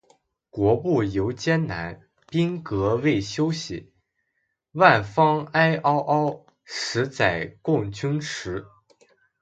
国步犹艰难，兵革未休息。万方哀嗷嗷，十载供军食。